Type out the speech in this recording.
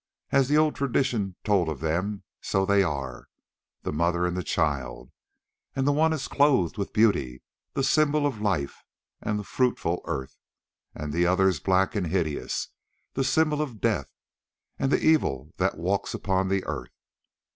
As the old tradition told of them so they are, the Mother and the Child, and the one is clothed with beauty, the symbol of life and of the fruitful earth; and the other is black and hideous, the symbol of death and the evil that walks upon the earth.